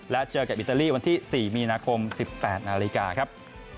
และเจอกับอิตาลีวันที่๔มีนาคม๑๘นาฬิกาครับ